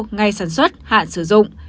ngay sản xuất hạn sử dụng